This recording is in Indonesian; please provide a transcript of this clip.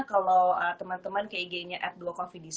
kalau teman teman ke ig nya